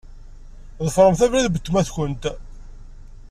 Ḍefṛemt abrid n weltma-tkent.